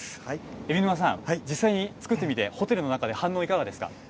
海老沼さん、実際に作ってみて、ホテルの中で反応いかがですか？